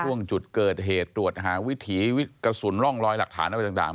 ช่วงจุดเกิดเหตุตรวจหาวิถีกระสุนร่องรอยหลักฐานอะไรต่าง